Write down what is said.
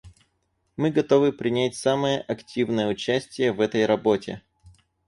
Мы готовы принять самое активное участие в этой работе.